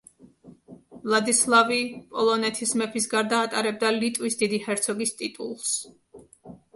ვლადისლავი პოლონეთის მეფის გარდა ატარებდა ლიტვის დიდი ჰერცოგის ტიტულს.